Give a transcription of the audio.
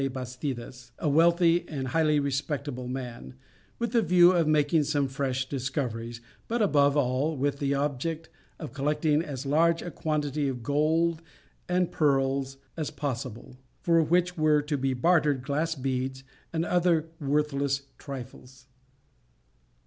Bastidas, a wealthy and highly respectable man, with the view of making some fresh discoveries, but above all with the object of collecting as large a quantity of gold and pearls as possible, for which were to be bartered glass beads and other worthless trifles.